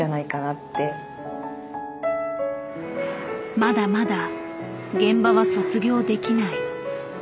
まだまだ現場は卒業できない。